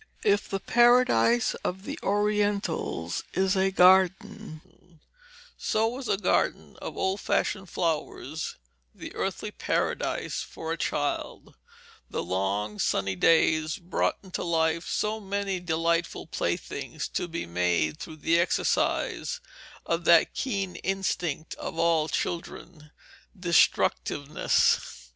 [Illustration: Stella (Bradley) Bellows, 1800, circa] If the paradise of the Orientals is a garden, so was a garden of old fashioned flowers the earthly paradise for a child: the long sunny days brought into life so many delightful playthings to be made through the exercise of that keen instinct of all children, destructiveness.